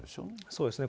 そうですね。